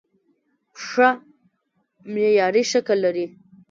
پښه معیاري شکل دی.